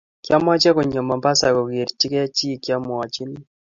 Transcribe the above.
kwamache konyon mombasa kokerchi gei chi kiamuachini